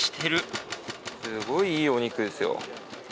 すごいいいお肉ですよ。